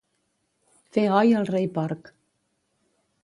Fer oi al rei Porc.